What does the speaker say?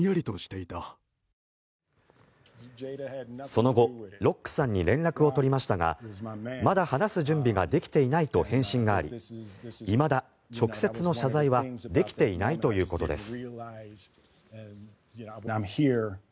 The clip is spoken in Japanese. その後、ロックさんに連絡を取りましたがまだ話す準備ができていないと返信がありいまだ直接の謝罪はできていないということです。